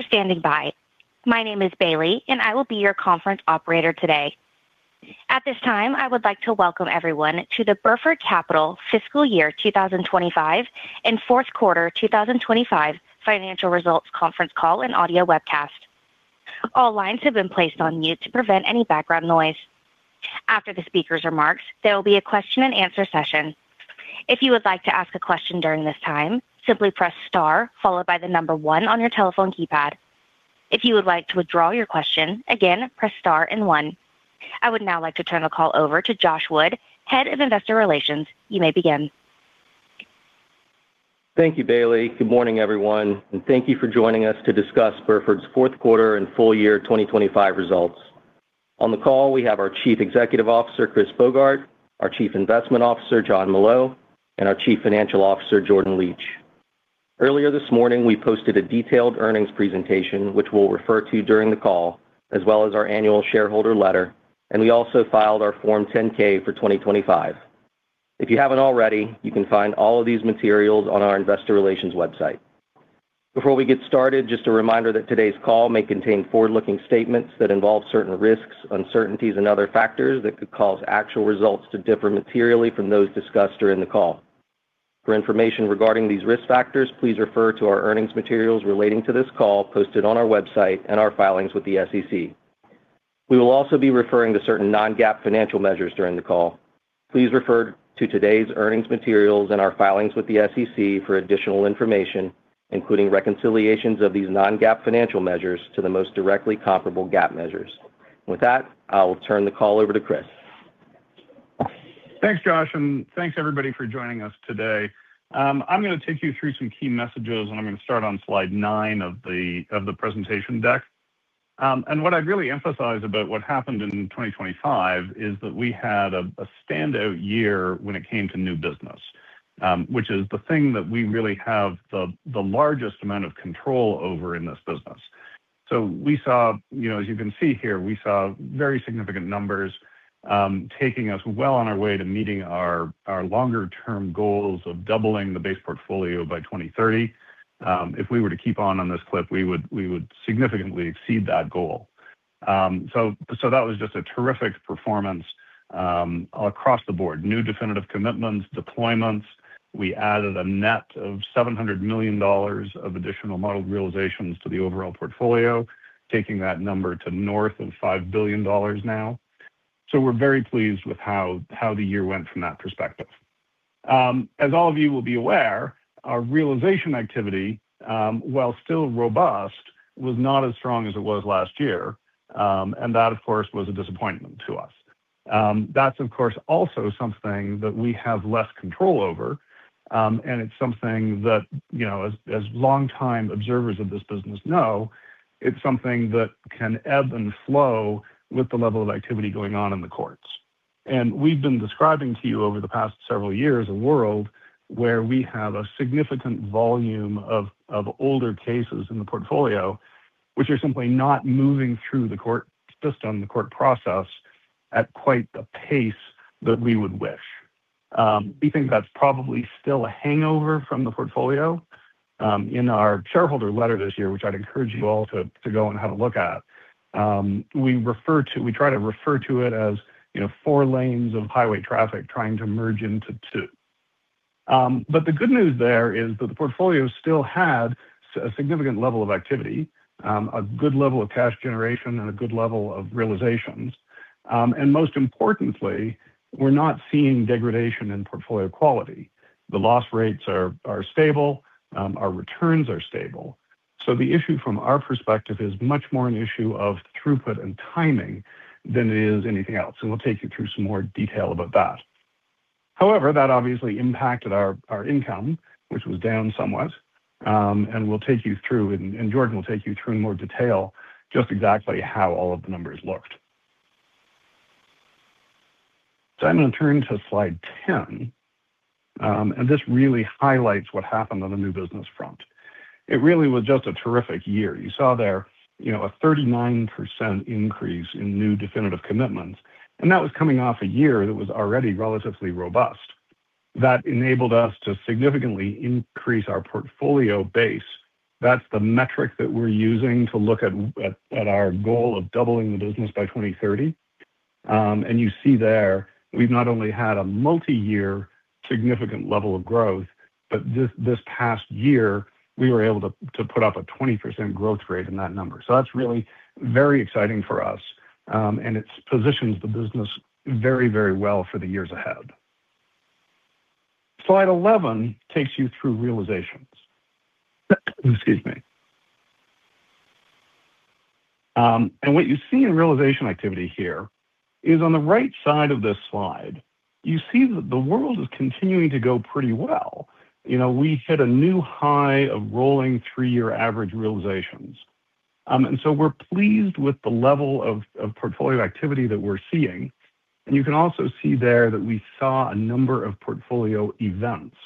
Thank you for standing by. My name is Bailey. I will be your conference operator today. At this time, I would like to welcome everyone to the Burford Capital Fiscal Year 2025 and Fourth Quarter 2025 Financial Results Conference Call and Audio Webcast. All lines have been placed on mute to prevent any background noise. After the speaker's remarks, there will be a question and answer session. If you would like to ask a question during this time, simply press star followed by one on your telephone keypad. If you would like to withdraw your question, again, press star and one. I would now like to turn the call over to Josh Wood, Head of Investor Relations. You may begin. Thank you, Bailey. Good morning, everyone, and thank you for joining us to discuss Burford's Fourth Quarter and Full-Year 2025 Results. On the call, we have our Chief Executive Officer, Christopher Bogart, our Chief Investment Officer, Jonathan Molot, and our Chief Financial Officer, Jordan Licht. Earlier this morning, we posted a detailed earnings presentation, which we'll refer to during the call, as well as our annual shareholder letter. We also filed our Form 10-K for 2025. If you haven't already, you can find all of these materials on our investor relations website. Before we get started, just a reminder that today's call may contain forward-looking statements that involve certain risks, uncertainties, and other factors that could cause actual results to differ materially from those discussed during the call. For information regarding these risk factors, please refer to our earnings materials relating to this call posted on our website and our filings with the SEC. We will also be referring to certain Non-GAAP financial measures during the call. Please refer to today's earnings materials and our filings with the SEC for additional information, including reconciliations of these Non-GAAP financial measures to the most directly comparable GAAP measures. With that, I will turn the call over to Chris. Thanks, Josh, thanks, everybody, for joining us today. I'm gonna take you through some key messages, and I'm gonna start on slide nine of the presentation deck. What I'd really emphasize about what happened in 2025 is that we had a standout year when it came to new business, which is the thing that we really have the largest amount of control over in this business. You know, as you can see here, we saw very significant numbers, taking us well on our way to meeting our longer-term goals of doubling the base portfolio by 2030. If we were to keep on this clip, we would significantly exceed that goal. That was just a terrific performance across the board. New definitive commitments, deployments. We added a net of $700 million of additional modeled realizations to the overall portfolio, taking that number to north of $5 billion now. We're very pleased with how the year went from that perspective. As all of you will be aware, our realization activity, while still robust, was not as strong as it was last year. That, of course, was a disappointment to us. That's, of course, also something that we have less control over, and it's something that, you know, as longtime observers of this business know, it's something that can ebb and flow with the level of activity going on in the courts. We've been describing to you over the past several years, a world where we have a significant volume of older cases in the portfolio, which are simply not moving through the court system, the court process, at quite the pace that we would wish. We think that's probably still a hangover from the portfolio. In our shareholder letter this year, which I'd encourage you all to go and have a look at, we try to refer to it as, you know, four lanes of highway traffic trying to merge into two. The good news there is that the portfolio still had a significant level of activity, a good level of cash generation and a good level of realizations. Most importantly, we're not seeing degradation in portfolio quality. The loss rates are stable, our returns are stable. The issue from our perspective is much more an issue of throughput and timing than it is anything else, and we'll take you through some more detail about that. That obviously impacted our income, which was down somewhat, and we'll take you through, and Jordan will take you through in more detail, just exactly how all of the numbers looked. I'm gonna turn to slide 10. This really highlights what happened on the new business front. It really was just a terrific year. You saw there, you know, a 39% increase in new definitive commitments, and that was coming off a year that was already relatively robust. That enabled us to significantly increase our portfolio base. That's the metric that we're using to look at our goal of doubling the business by 2030. You see there, we've not only had a multi-year significant level of growth, but this past year, we were able to put up a 20% growth rate in that number. That's really very exciting for us, and it positions the business very well for the years ahead. Slide 11 takes you through realizations. Excuse me. What you see in realization activity here is on the right side of this slide, you see that the world is continuing to go pretty well. You know, we hit a new high of rolling 3-year average realizations. We're pleased with the level of portfolio activity that we're seeing. You can also see there that we saw a number of portfolio events,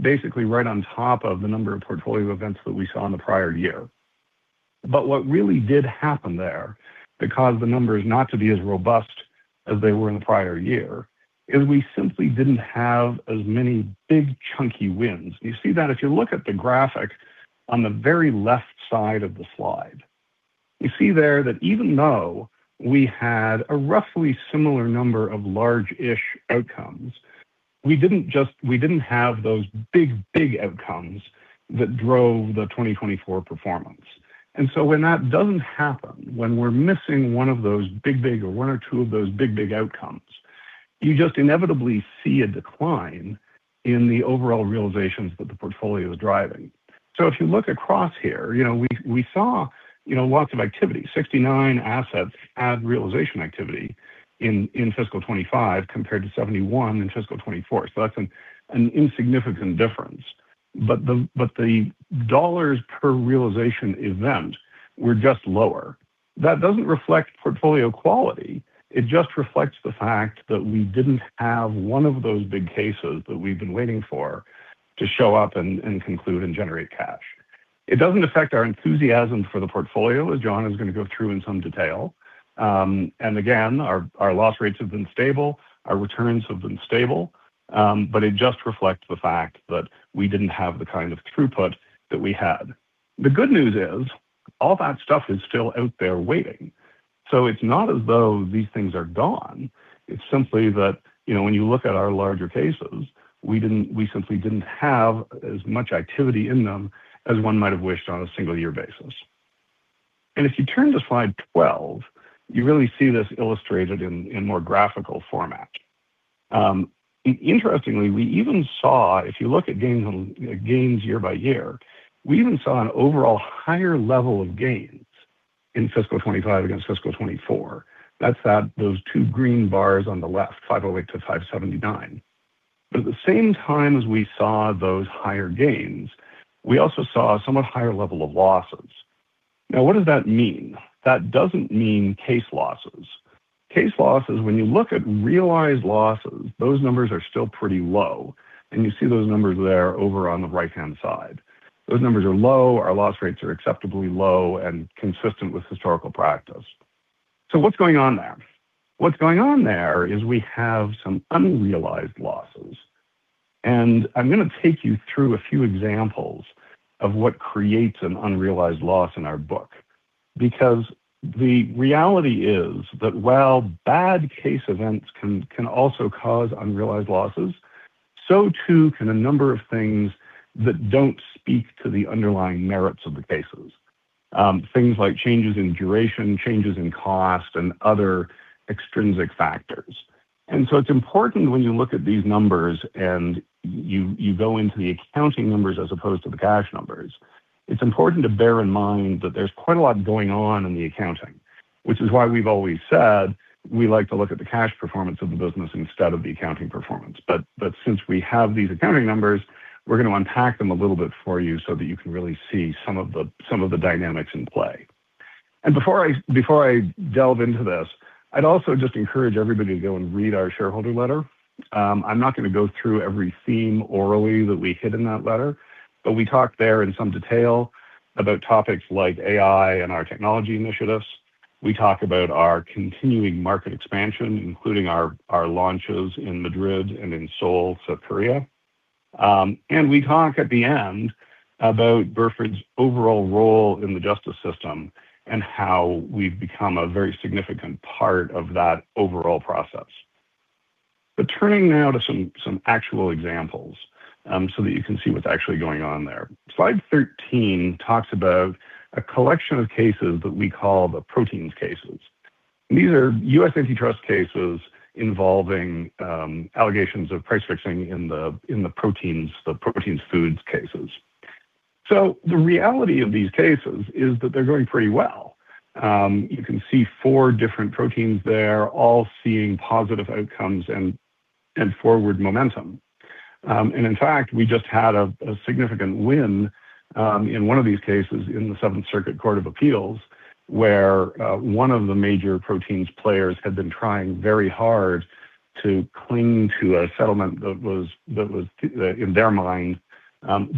basically right on top of the number of portfolio events that we saw in the prior year. What really did happen there, that caused the numbers not to be as robust as they were in the prior year, is we simply didn't have as many big chunky wins. You see that if you look at the graphic on the very left side of the slide. You see there that even though we had a roughly similar number of large-ish outcomes, we didn't have those big, big outcomes that drove the 2024 performance. When that doesn't happen, when we're missing one of those big, big or one or two of those big, big outcomes, you just inevitably see a decline in the overall realizations that the portfolio is driving. If you look across here, you know, we saw, you know, lots of activity, 69 assets add realization activity in fiscal 2025 compared to 71 in fiscal 2024. That's an insignificant difference, but the dollars per realization event were just lower. That doesn't reflect portfolio quality, it just reflects the fact that we didn't have one of those big cases that we've been waiting for to show up and conclude and generate cash. It doesn't affect our enthusiasm for the portfolio, as John is gonna go through in some detail. And again, our loss rates have been stable, our returns have been stable, but it just reflects the fact that we didn't have the kind of throughput that we had. The good news is, all that stuff is still out there waiting, so it's not as though these things are gone. It's simply that, you know, when you look at our larger cases, we simply didn't have as much activity in them as one might have wished on a single year basis. If you turn to slide 12, you really see this illustrated in more graphical format. Interestingly, we even saw, if you look at gains year by year, we even saw an overall higher level of gains in fiscal 25 against fiscal 24. That's those two green bars on the left, $508 to $579. At the same time as we saw those higher gains, we also saw a somewhat higher level of losses. What does that mean? That doesn't mean case losses. Case losses, when you look at realized losses, those numbers are still pretty low, and you see those numbers there over on the right-hand side. Those numbers are low, our loss rates are acceptably low and consistent with historical practice. What's going on there? What's going on there is we have some unrealized losses, and I'm gonna take you through a few examples of what creates an unrealized loss in our book, because the reality is that while bad case events can also cause unrealized losses, so too can a number of things that don't speak to the underlying merits of the cases. Things like changes in duration, changes in cost, and other extrinsic factors. It's important when you look at these numbers and you go into the accounting numbers as opposed to the cash numbers, it's important to bear in mind that there's quite a lot going on in the accounting, which is why we've always said, we like to look at the cash performance of the business instead of the accounting performance. But since we have these accounting numbers, we're gonna unpack them a little bit for you so that you can really see some of the dynamics in play. Before I delve into this, I'd also just encourage everybody to go and read our shareholder letter. I'm not gonna go through every theme orally that we hit in that letter, but we talk there in some detail about topics like AI and our technology initiatives. We talk about our continuing market expansion, including our launches in Madrid and in Seoul, South Korea. We talk at the end about Burford's overall role in the justice system and how we've become a very significant part of that overall process. Turning now to some actual examples, so that you can see what's actually going on there. Slide 13 talks about a collection of cases that we call the proteins cases. These are U.S. antitrust cases involving allegations of price fixing in the proteins foods cases. The reality of these cases is that they're going pretty well. You can see four different proteins there, all seeing positive outcomes and forward momentum. In fact, we just had a significant win in one of these cases in the Seventh Circuit Court of Appeals, where one of the major proteins players had been trying very hard to cling to a settlement that was in their mind,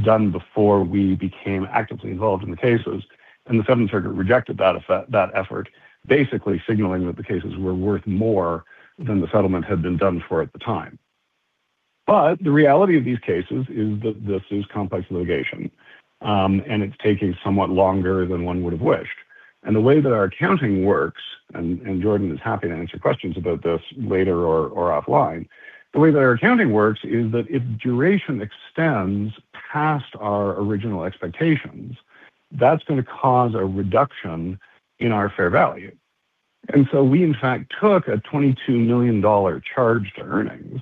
done before we became actively involved in the cases, and the Seventh Circuit rejected that effort, basically signaling that the cases were worth more than the settlement had been done for at the time. The reality of these cases is that this is complex litigation, and it's taking somewhat longer than one would have wished. The way that our accounting works, and Jordan is happy to answer questions about this later or offline, the way that our accounting works is that if duration extends past our original expectations, that's gonna cause a reduction in our fair value. We, in fact, took a $22 million charge to earnings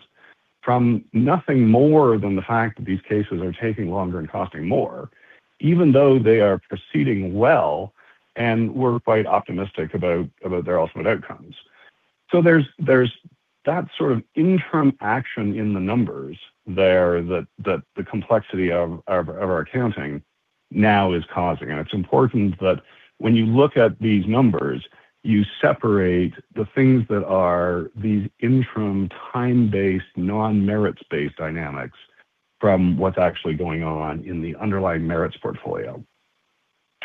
from nothing more than the fact that these cases are taking longer and costing more, even though they are proceeding well and we're quite optimistic about their ultimate outcomes. There's that sort of interim action in the numbers there, that the complexity of our accounting now is causing. It's important that when you look at these numbers, you separate the things that are these interim, time-based, non-merits-based dynamics from what's actually going on in the underlying merits portfolio.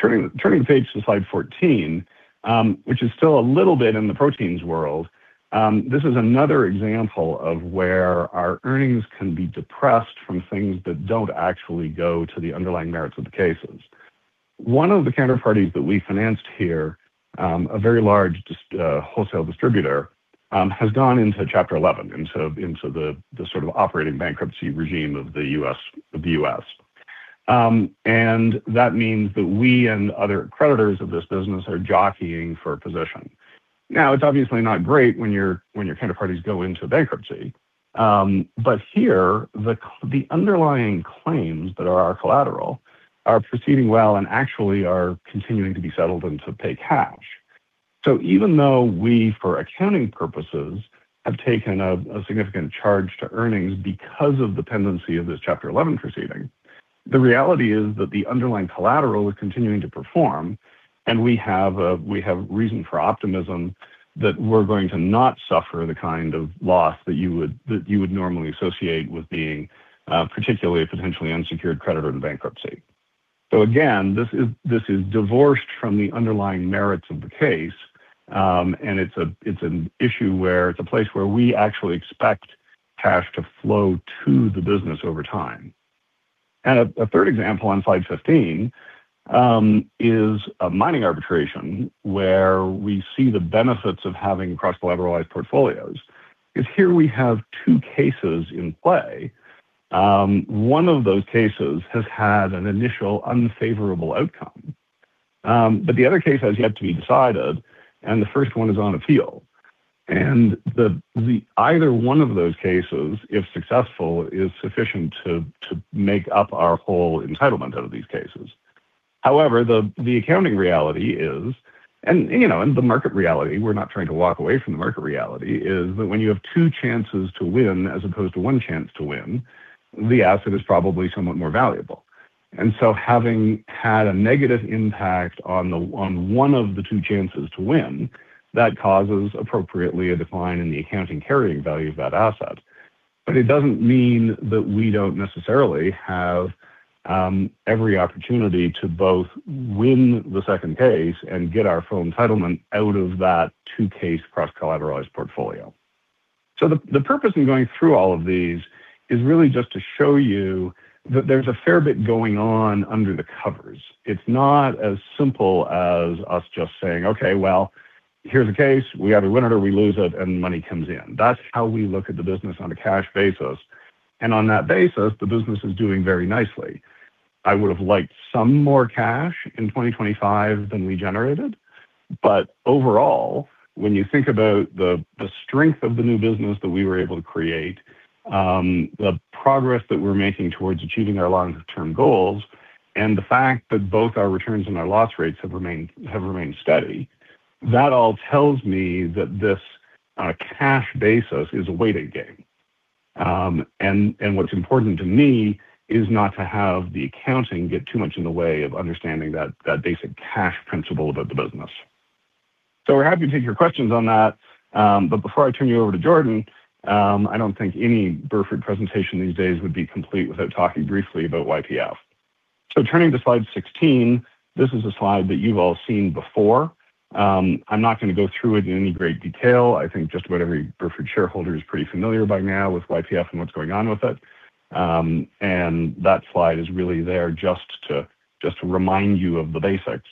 Turning page to slide 14, which is still a little bit in the proteins world. This is another example of where our earnings can be depressed from things that don't actually go to the underlying merits of the cases. One of the counterparties that we financed here, a very large wholesale distributor, has gone into Chapter 11, into the sort of operating bankruptcy regime of the U.S. That means that we and other creditors of this business are jockeying for a position. Now, it's obviously not great when your counterparties go into bankruptcy, but here the underlying claims that are our collateral are proceeding well and actually are continuing to be settled and to pay cash. Even though we, for accounting purposes, have taken a significant charge to earnings because of the pendency of this Chapter 11 proceeding, the reality is that the underlying collateral is continuing to perform, and we have reason for optimism that we're going to not suffer the kind of loss that you would normally associate with being, particularly a potentially unsecured creditor in bankruptcy. Again, this is divorced from the underlying merits of the case, and it's an issue where it's a place where we actually expect cash to flow to the business over time. A third example on slide 15, is a mining arbitration, where we see the benefits of having cross-collateralized portfolios. Because here we have two cases in play. One of those cases has had an initial unfavorable outcome, but the other case has yet to be decided, and the first one is on appeal. Either one of those cases, if successful, is sufficient to make up our whole entitlement out of these cases. However, the accounting reality is, and you know, and the market reality, we're not trying to walk away from the market reality, is that when you have two chances to win as opposed to one chance to win, the asset is probably somewhat more valuable. Having had a negative impact on one of the two chances to win, that causes, appropriately, a decline in the accounting carrying value of that asset. It doesn't mean that we don't necessarily have every opportunity to both win the second case and get our full entitlement out of that two-case cross-collateralized portfolio. The purpose in going through all of these is really just to show you that there's a fair bit going on under the covers. It's not as simple as us just saying, "Okay, well, here's the case. We either we win it or we lose it, and money comes in." That's how we look at the business on a cash basis, and on that basis, the business is doing very nicely. I would have liked some more cash in 2025 than we generated, but overall, when you think about the strength of the new business that we were able to create, the progress that we're making towards achieving our long-term goals, and the fact that both our returns and our loss rates have remained steady, that all tells me that this on a cash basis is a waiting game. what's important to me is not to have the accounting get too much in the way of understanding that basic cash principle about the business. We're happy to take your questions on that, but before I turn you over to Jordan, I don't think any Burford presentation these days would be complete without talking briefly about YPF. Turning to slide 16, this is a slide that you've all seen before. I'm not going to go through it in any great detail. I think just about every Burford shareholder is pretty familiar by now with YPF and what's going on with it. And that slide is really there just to remind you of the basics.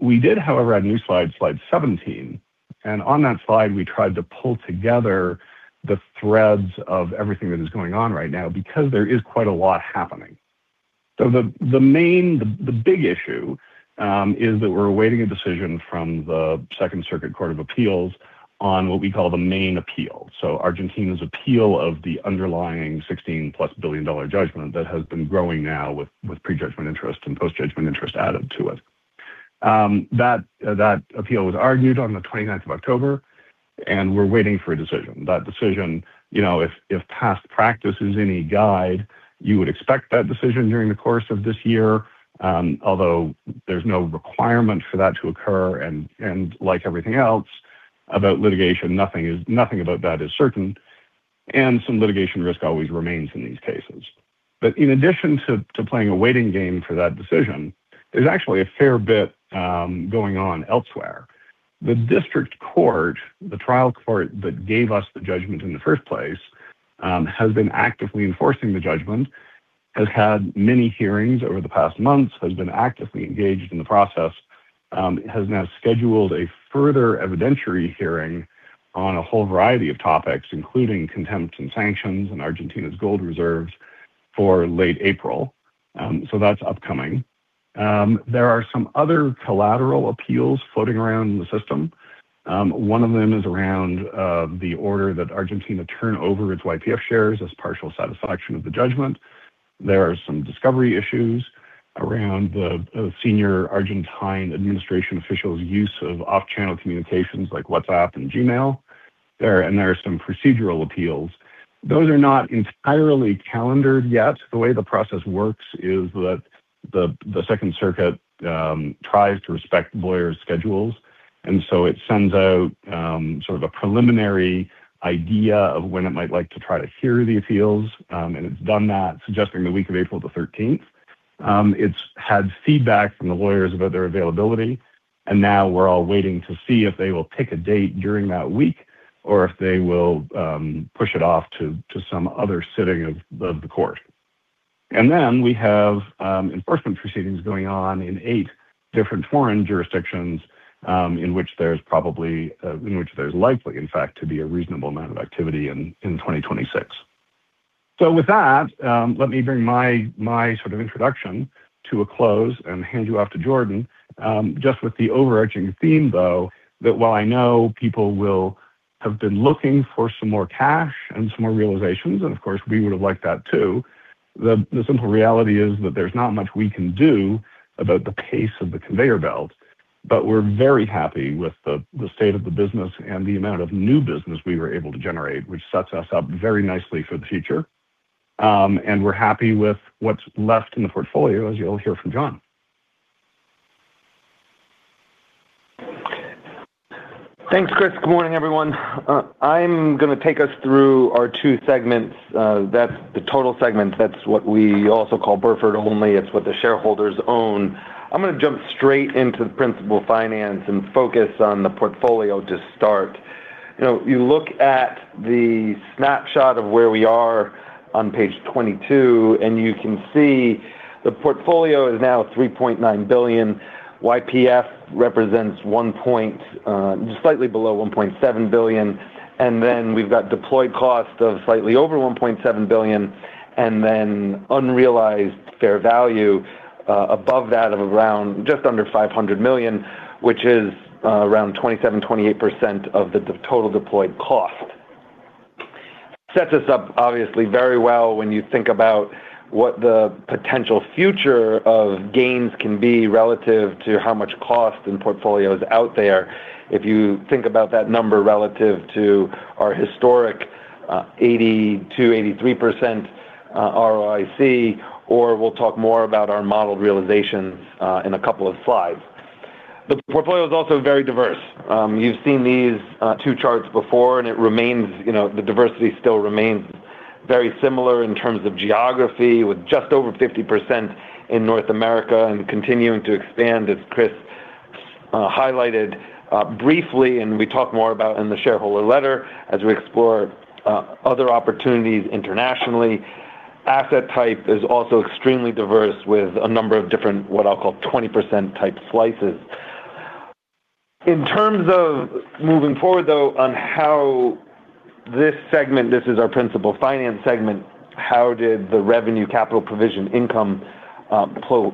We did, however, add a new slide 17, and on that slide, we tried to pull together the threads of everything that is going on right now because there is quite a lot happening. The big issue is that we're awaiting a decision from the Second Circuit Court of Appeals on what we call the main appeal, so Argentina's appeal of the underlying $16 plus billion judgment that has been growing now with prejudgment interest and postjudgment interest added to it. That appeal was argued on the 29th of October, and we're waiting for a decision. That decision, you know, if past practice is any guide, you would expect that decision during the course of this year, although there's no requirement for that to occur, and like everything else about litigation, nothing about that is certain, and some litigation risk always remains in these cases. In addition to playing a waiting game for that decision, there's actually a fair bit going on elsewhere. The district court, the trial court that gave us the judgment in the first place, has been actively enforcing the judgment, has had many hearings over the past months, has been actively engaged in the process, has now scheduled a further evidentiary hearing on a whole variety of topics, including contempt and sanctions and Argentina's gold reserves, for late April. That's upcoming. There are some other collateral appeals floating around in the system. One of them is around the order that Argentina turn over its YPF shares as partial satisfaction of the judgment. There are some discovery issues around the senior Argentine administration official's use of off-channel communications like WhatsApp and Gmail. There are some procedural appeals. Those are not entirely calendared yet. The way the process works is that the Second Circuit tries to respect lawyers' schedules.... It sends out, sort of a preliminary idea of when it might like to try to hear the appeals. It's done that, suggesting the week of April the thirteenth. It's had feedback from the lawyers about their availability, and now we're all waiting to see if they will pick a date during that week or if they will push it off to some other sitting of the court. We have enforcement proceedings going on in eight different foreign jurisdictions, in which there's likely, in fact, to be a reasonable amount of activity in 2026. With that, let me bring my sort of introduction to a close and hand you off to Jordan. Just with the overarching theme, though, that while I know people have been looking for some more cash and some more realizations, and of course, we would have liked that too, the simple reality is that there's not much we can do about the pace of the conveyor belt. We're very happy with the state of the business and the amount of new business we were able to generate, which sets us up very nicely for the future. We're happy with what's left in the portfolio, as you'll hear from John. Thanks, Chris. Good morning, everyone. I'm gonna take us through our two segments, that's the total segment. That's what we also call Burford-only. It's what the shareholders own. I'm gonna jump straight into the Principal Finance and focus on the portfolio to start. You know, you look at the snapshot of where we are on page 22, you can see the portfolio is now $3.9 billion. YPF represents just slightly below $1.7 billion, then we've got deployed cost of slightly over $1.7 billion, then unrealized fair value above that of around just under $500 million, which is around 27%-28% of the total deployed cost. Sets us up, obviously, very well when you think about what the potential future of gains can be relative to how much cost and portfolio is out there. If you think about that number relative to our historic 82%-83% ROIC, or we'll talk more about our modeled realizations in a couple of slides. The portfolio is also very diverse. You've seen these 2 charts before, and it remains, you know, the diversity still remains very similar in terms of geography, with just over 50% in North America and continuing to expand, as Chris highlighted briefly, and we talk more about in the shareholder letter as we explore other opportunities internationally. Asset type is also extremely diverse, with a number of different, what I'll call, 20% type slices. In terms of moving forward, though, on how this segment... This is our Principal Finance segment, how did the revenue capital provision income flow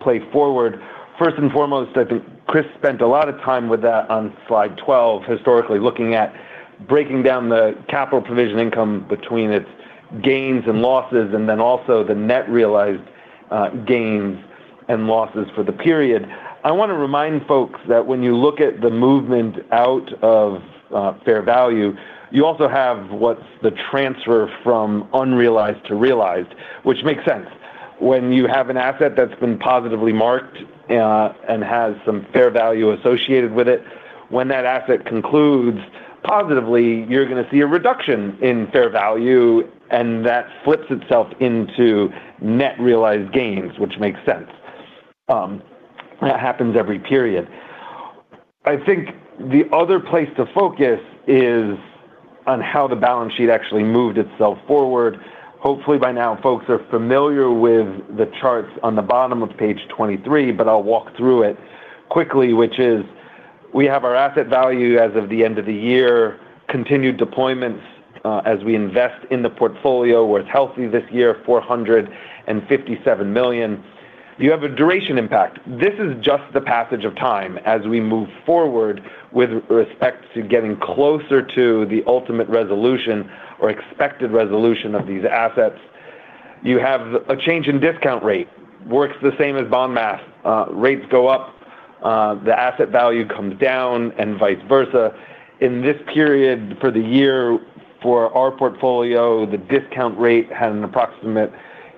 play forward? First and foremost, I think Chris spent a lot of time with that on slide 12, historically, looking at breaking down the capital provision income between its gains and losses, and then also the net realized gains and losses for the period. I want to remind folks that when you look at the movement out of fair value, you also have what's the transfer from unrealized to realized, which makes sense. When you have an asset that's been positively marked, and has some fair value associated with it, when that asset concludes positively, you're gonna see a reduction in fair value, and that flips itself into net realized gains, which makes sense. That happens every period. I think the other place to focus is on how the balance sheet actually moved itself forward. Hopefully, by now, folks are familiar with the charts on the bottom of page 23, but I'll walk through it quickly, which is, we have our asset value as of the end of the year, continued deployments, as we invest in the portfolio was healthy this year, $457 million. You have a duration impact. This is just the passage of time as we move forward with respect to getting closer to the ultimate resolution or expected resolution of these assets. You have a change in discount rate. Works the same as bond math. Rates go up, the asset value comes down, and vice versa. In this period, for the year, for our portfolio, the discount rate had an approximate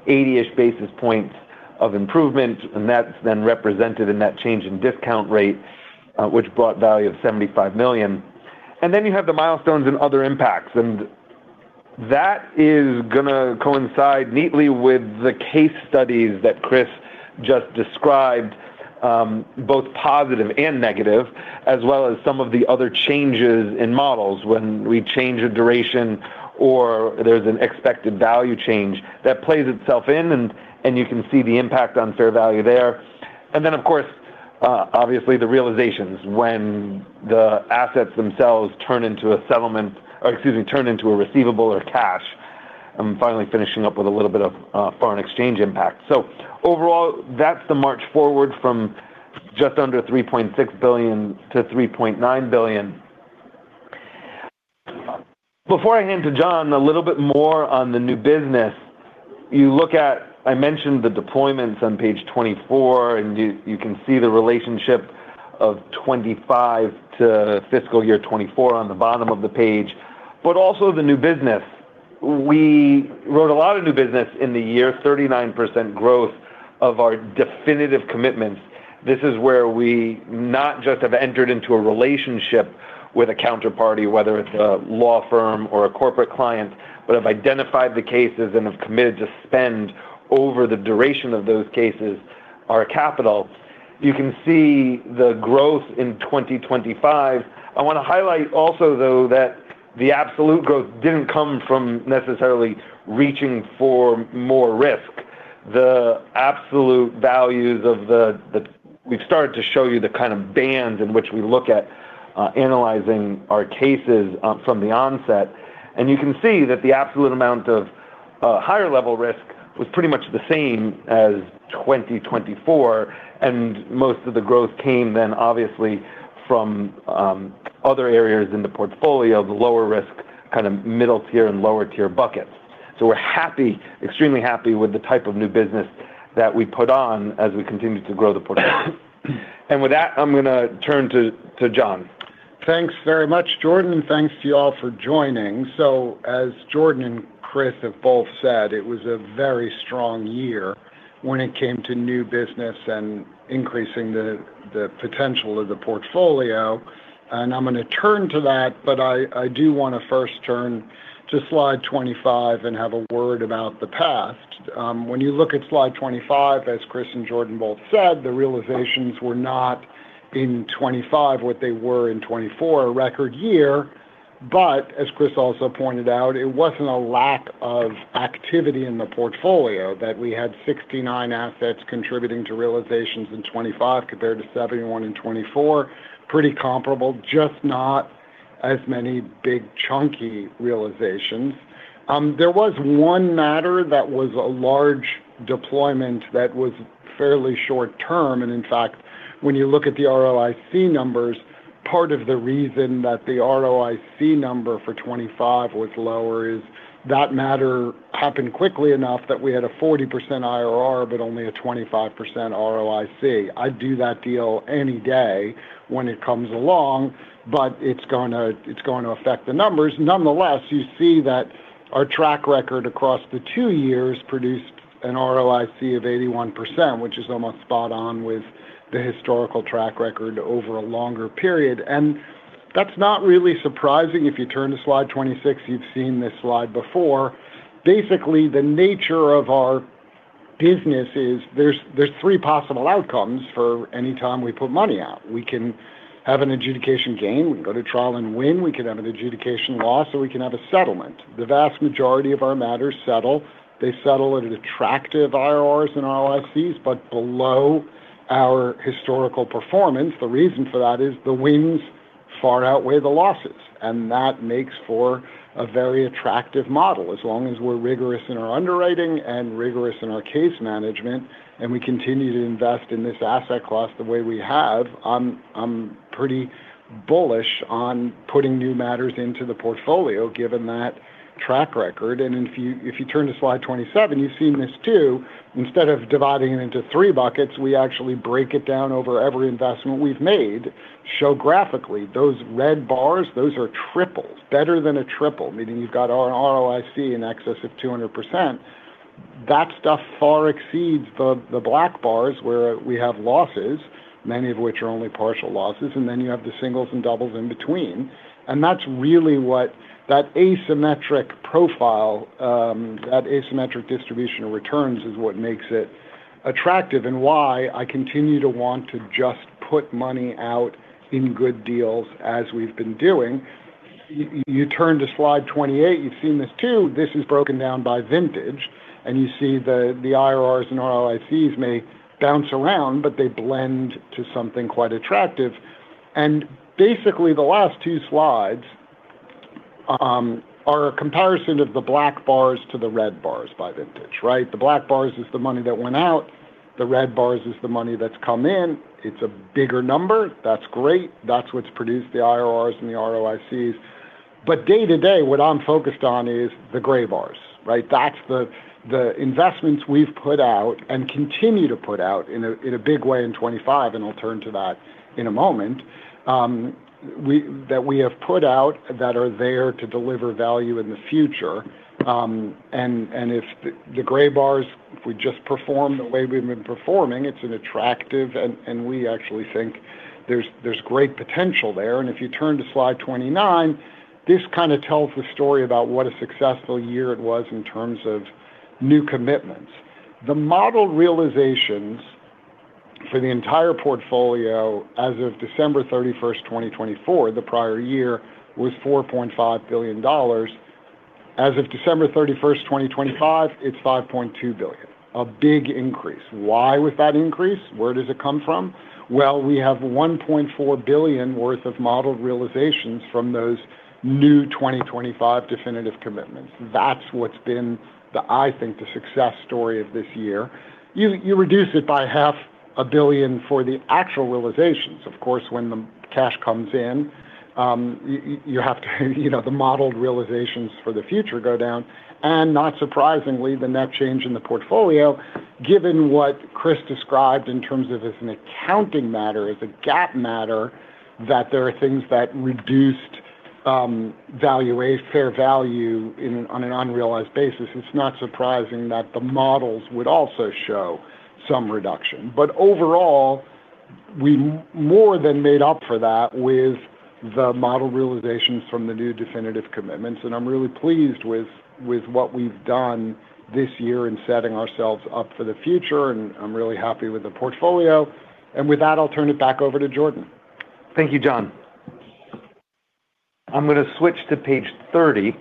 80-ish basis points of improvement, that's then represented in that change in discount rate, which brought value of $75 million. You have the milestones and other impacts, that is going to coincide neatly with the case studies that Chris just described, both positive and negative, as well as some of the other changes in models. When we change a duration or there's an expected value change, that plays itself in and you can see the impact on fair value there. Of course, obviously, the realizations when the assets themselves turn into a settlement or, excuse me, turn into a receivable or cash. I'm finally finishing up with a little bit of foreign exchange impact. Overall, that's the march forward from just under $3.6 billion to $3.9 billion. Before I hand to John, a little bit more on the new business. I mentioned the deployments on page 24, and you can see the relationship of 25 to fiscal year 24 on the bottom of the page, also the new business. We wrote a lot of new business in the year, 39% growth of our definitive commitments. This is where we not just have entered into a relationship with a counterparty, whether it's a law firm or a corporate client, but have identified the cases and have committed to spend over the duration of those cases, our capital. You can see the growth in 2025. I want to highlight also, though, that the absolute growth didn't come from necessarily reaching for more risk. The absolute values of the we've started to show you the kind of bands in which we look at analyzing our cases from the onset. You can see that the absolute amount of higher-level risk was pretty much the same as 2024. Most of the growth came then obviously from other areas in the portfolio, the lower risk, kind of middle tier and lower tier buckets. We're happy, extremely happy with the type of new business that we put on as we continue to grow the portfolio. With that, I'm going to turn to John. Thanks very much, Jordan, and thanks to you all for joining. As Jordan and Chris have both said, it was a very strong year when it came to new business and increasing the potential of the portfolio, and I'm going to turn to that, but I do want to first turn to slide 25 and have a word about the past. When you look at slide 25, as Chris and Jordan both said, the realizations were not in 2025 what they were in 2024, a record year. As Chris also pointed out, it wasn't a lack of activity in the portfolio, that we had 69 assets contributing to realizations in 2025, compared to 71 in 2024. Pretty comparable, just not as many big, chunky realizations. There was one matter that was a large deployment that was fairly short term. In fact, when you look at the ROIC numbers, part of the reason that the ROIC number for 25 was lower is that matter happened quickly enough that we had a 40% IRR, but only a 25% ROIC. I'd do that deal any day when it comes along. It's going to affect the numbers. Nonetheless, you see that our track record across the two years produced an ROIC of 81%, which is almost spot on with the historical track record over a longer period. That's not really surprising. If you turn to slide 26, you've seen this slide before. Basically, the nature of our business is there's three possible outcomes for any time we put money out. We can have an adjudication gain, we can go to trial and win, we could have an adjudication loss, or we can have a settlement. The vast majority of our matters settle. They settle at attractive IRRs and ROICs, but below our historical performance. The reason for that is the wins far outweigh the losses, and that makes for a very attractive model. As long as we're rigorous in our underwriting and rigorous in our case management, and we continue to invest in this asset class the way we have, I'm pretty bullish on putting new matters into the portfolio, given that track record. If you turn to slide 27, you've seen this too. Instead of dividing it into three buckets, we actually break it down over every investment we've made, show graphically. Those red bars, those are triples, better than a triple, meaning you've got an ROIC in excess of 200%. That stuff far exceeds the black-bars, where we have losses, many of which are only partial losses, and then you have the singles and doubles in between. That's really what that asymmetric profile, that asymmetric distribution of returns is what makes it attractive and why I continue to want to just put money out in good deals as we've been doing. You turn to slide 28, you've seen this too. This is broken down by vintage, and you see the IRRs and ROICs may bounce around, but they blend to something quite attractive. Basically, the last two slides are a comparison of the black-bars to the red bars by vintage, right? The black-bars is the money that went out. The red bars is the money that's come in. It's a bigger number. That's great. That's what's produced the IRRs and the ROICs. Day-to-day, what I'm focused on is the gray bars, right? That's the investments we've put out and continue to put out in a big way in 25, and I'll turn to that in a moment, that we have put out that are there to deliver value in the future. If the gray bars, if we just perform the way we've been performing, it's an attractive. We actually think there's great potential there. If you turn to slide 29, this kind of tells the story about what a successful year it was in terms of new commitments. The modeled realizations for the entire portfolio as of December 31st, 2024, the prior year, was $4.5 billion. As of December 31st, 2025, it's $5.2 billion, a big increase. Why was that increase? Where does it come from? Well, we have $1.4 billion worth of modeled realizations from those new 2025 definitive commitments. That's what's been the, I think, the success story of this year. You reduce it by half a billion for the actual realizations. Of course, when the cash comes in, you have to, you know, the modeled realizations for the future go down, and not surprisingly, the net change in the portfolio, given what Chris described in terms of as an accounting matter, as a GAAP matter, that there are things that reduced value, a fair value in, on an unrealized basis. It's not surprising that the models would also show some reduction. Overall, we more than made up for that with the model realizations from the new definitive commitments, and I'm really pleased with what we've done this year in setting ourselves up for the future, and I'm really happy with the portfolio. With that, I'll turn it back over to Jordan. Thank you, John. I'm gonna switch to page 30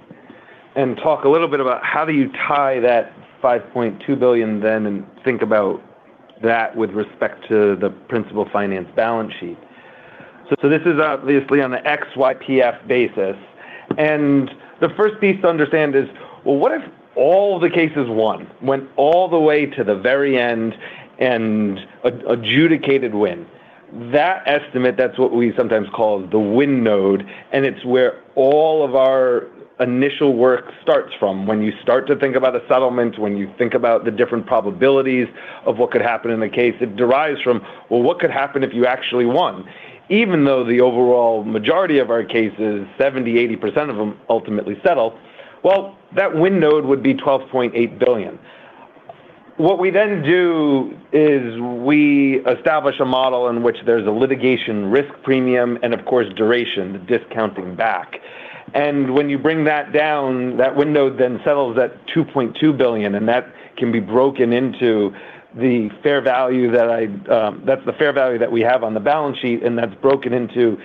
and talk a little bit about how do you tie that $5.2 billion then, and think about that with respect to the Principal Finance balance sheet. This is obviously on the ex-YPF basis, and the first piece to understand is, well, what if all the cases won, went all the way to the very end and adjudicated win. That estimate, that's what we sometimes call the win node, and it's where all of our initial work starts from. When you start to think about a settlement, when you think about the different probabilities of what could happen in the case, it derives from, well, what could happen if you actually won. Even though the overall majority of our cases, 70%, 80% of them ultimately settle, well, that win node would be $12.8 billion. What we do is we establish a model in which there's a litigation risk premium and, of course, duration, the discounting back. When you bring that down, that win node settles at $2.2 billion, and that can be broken into the fair value that's the fair value that we have on the balance sheet, and that's broken into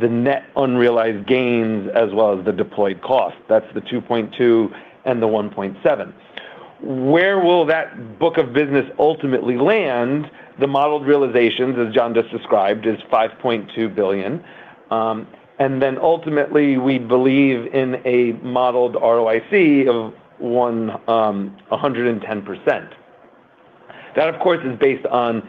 the net unrealized gains as well as the deployed cost. That's the $2.2 billion and the $1.7 billion. Where will that book of business ultimately land? The modeled realizations, as John just described, is $5.2 billion. Ultimately, we believe in a modeled ROIC of 110%. That, of course, is based on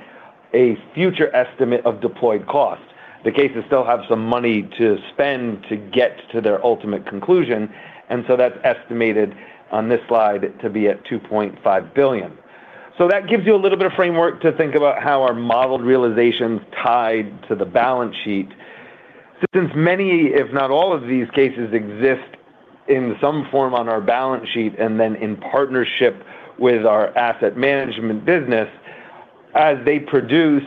a future estimate of deployed cost. The cases still have some money to spend to get to their ultimate conclusion. That's estimated on this slide to be at $2.5 billion. That gives you a little bit of framework to think about how our modeled realizations tie to the balance sheet. Since many, if not all, of these cases exist in some form on our balance sheet, and then in partnership with our Asset Management business, as they produce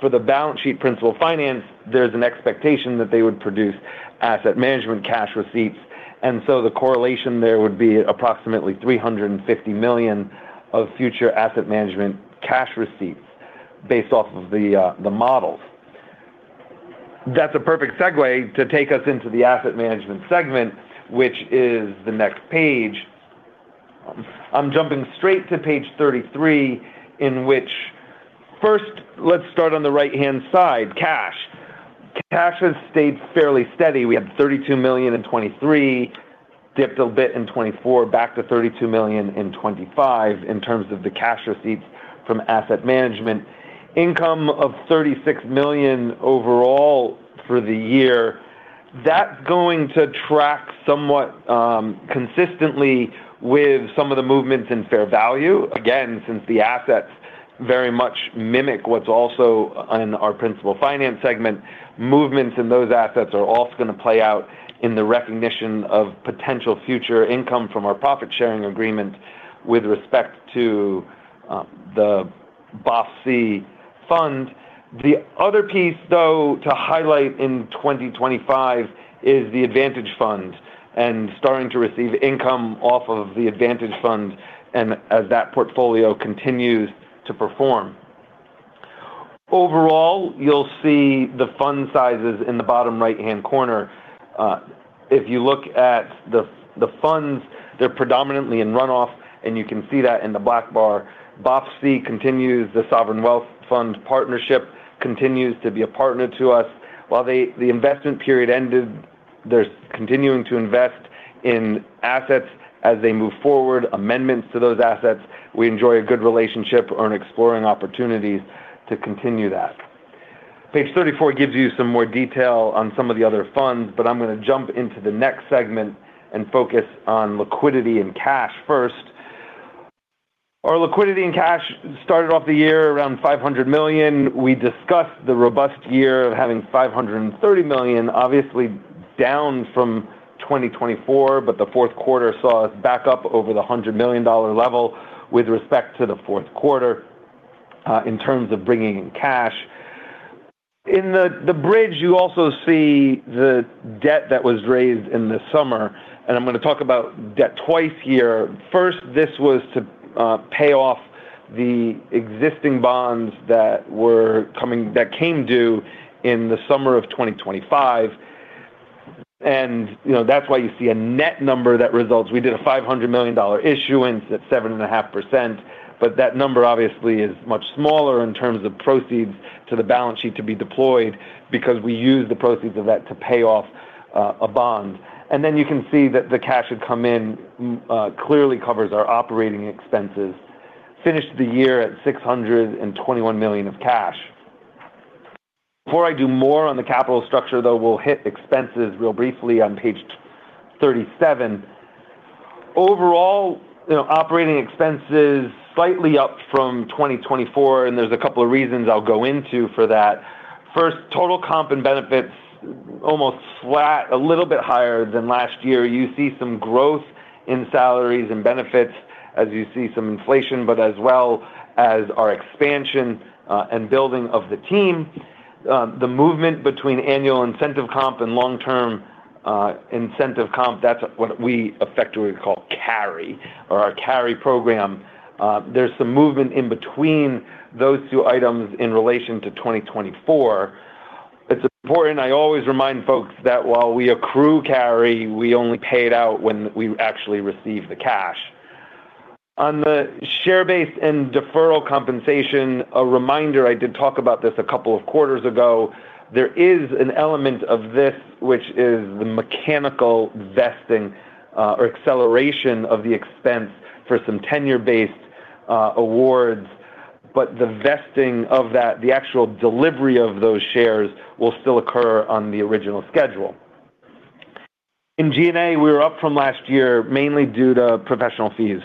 for the balance sheet Principal Finance, there's an expectation that they would produce Asset Management cash receipts. The correlation there would be approximately $350 million of future Asset Management cash receipts based off of the models. That's a perfect segue to take us into the Asset Management segment, which is the next page. I'm jumping straight to page 33, in which first, let's start on the right-hand side, cash. Cash has stayed fairly steady. We had $32 million in 2023, dipped a bit in 2024, back to $32 million in 2025, in terms of the cash receipts from asset management. Income of $36 million overall for the year, that's going to track somewhat consistently with some of the movements in fair value. Again, since the assets very much mimic what's also in our Principal Finance segment, movements in those assets are also gonna play out in the recognition of potential future income from our profit-sharing agreement with respect to the BOF-C fund. The other piece, though, to highlight in 2025 is the Advantage Fund and starting to receive income off of the Advantage Fund and as that portfolio continues to perform. Overall, you'll see the fund sizes in the bottom right-hand corner. If you look at the funds, they're predominantly in runoff, and you can see that in the black bar. BOFC continues, the Sovereign Wealth Fund partnership continues to be a partner to us. While the investment period ended, they're continuing to invest in assets as they move forward, amendments to those assets. We enjoy a good relationship and are exploring opportunities to continue that. Page 34 gives you some more detail on some of the other funds. I'm gonna jump into the next segment and focus on liquidity and cash first. Our liquidity and cash started off the year around $500 million. We discussed the robust year of having $530 million, obviously down from 2024. The fourth quarter saw us back up over the $100 million level with respect to the fourth quarter in terms of bringing in cash. In the bridge, you also see the debt that was raised in the summer. I'm gonna talk about debt twice a year. First, this was to pay off the existing bonds that came due in the summer of 2025. You know, that's why you see a net number that results. We did a $500 million issuance at 7.5%. That number obviously is much smaller in terms of proceeds to the balance sheet to be deployed because we used the proceeds of that to pay off a bond. You can see that the cash that come in clearly covers our operating expenses. Finished the year at $621 million of cash. Before I do more on the capital structure, though, we'll hit expenses real briefly on page 37. Overall, you know, operating expenses slightly up from 2024, and there's a couple of reasons I'll go into for that. First, total comp and benefits almost flat, a little bit higher than last year. You see some growth in salaries and benefits as you see some inflation, but as well as our expansion and building of the team, the movement between annual incentive comp and long-term incentive comp, that's what we effectively call carry or our carry program. There's some movement in between those two items in relation to 2024. It's important, I always remind folks that while we accrue carry, we only pay it out when we actually receive the cash. On the share-based and deferral compensation, a reminder, I did talk about this a couple of quarters ago, there is an element of this which is the mechanical vesting, or acceleration of the expense for some tenure-based awards, but the vesting of that, the actual delivery of those shares will still occur on the original schedule. In G&A, we were up from last year, mainly due to professional fees.